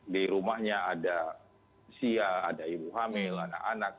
di rumahnya ada sia ada ibu hamil anak anak